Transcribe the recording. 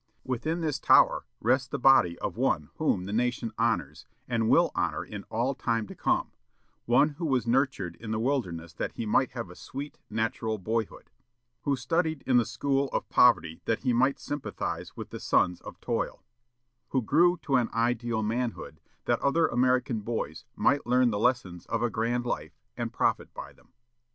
Within this tower rests the body of one whom the nation honors, and will honor in all time to come; one who was nurtured in the wilderness that he might have a sweet, natural boyhood; who studied in the school of poverty that he might sympathize with the sons of toil; who grew to an ideal manhood, that other American boys might learn the lessons of a grand life, and profit by them.